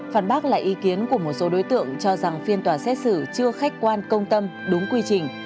phản bác lại ý kiến của một số đối tượng cho rằng phiên tòa xét xử chưa khách quan công tâm đúng quy trình